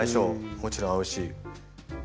もちろん合うし。